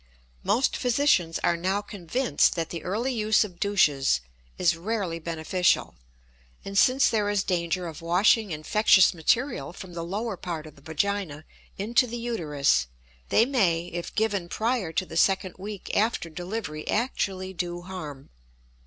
Most physicians are now convinced that the early use of douches is rarely beneficial; and since there is danger of washing infectious material from the lower part of the vagina into the uterus, they may, if given prior to the second week after delivery, actually do harm.